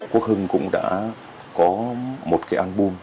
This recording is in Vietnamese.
quốc hưng cũng đã có một cái album